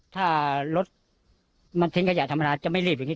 ถ้ารถมันทิ้งขยะธรรมดาจะไม่รีบอย่างนี้